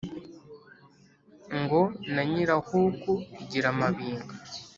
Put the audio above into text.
Ngo na nyirahuku igira amabinga